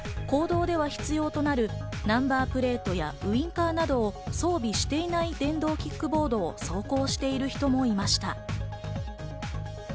また公道では必要となるナンバープレートやウインカーなどを装備していない電動キックボードで走行している人もいました。